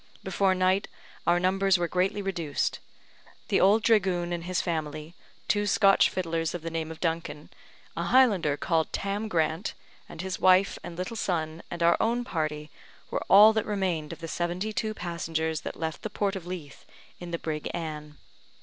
Before night, our numbers were greatly reduced. The old dragoon and his family, two Scotch fiddlers of the name of Duncan, a Highlander called Tam Grant, and his wife and little son, and our own party, were all that remained of the seventy two passengers that left the Port of Leith in the brig Anne.